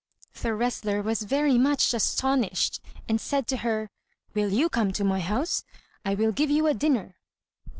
The wrestler was very much astonished, and said to her, "Will you come to my house? I will give you a dinner."